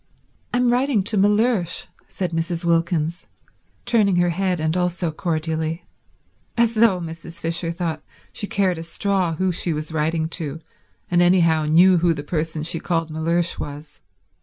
"I'm writing to Mellersh," said Mrs. Wilkins, turning her head and also cordially—as though, Mrs. Fisher thought, she cared a straw who she was writing to and anyhow knew who the person she called Mellersh was.